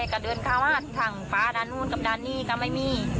ก็เดินเข้ามาทางฟ้าด้านนู้นกับด้านนี้ก็ไม่มี